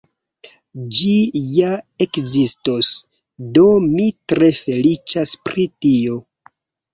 Ĝi ja ekzistos, do mi tre feliĉas pri tio